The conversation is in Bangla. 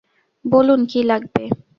বলুন কী লাগবে?